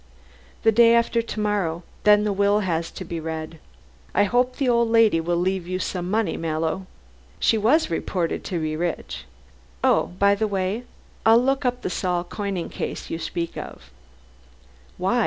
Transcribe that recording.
"The day after to morrow. Then the will has to be read. I hope the old lady will leave you some money, Mallow. She was reported to be rich. Oh, by the way, I'll look up that Saul coining case you speak of." "Why?"